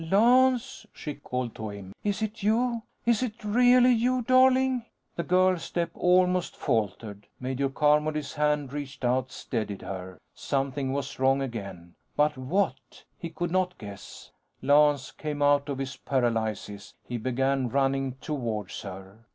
"Lance?" she called to him. "Is it you? Is it really you, darling?" The girl's step almost faltered. Major Carmody's hand reached out, steadied her. Something was wrong again. But what? He could not guess. Lance came out of his paralysis. He began running towards her.